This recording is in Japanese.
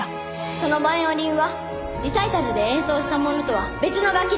そのバイオリンはリサイタルで演奏したものとは別の楽器です。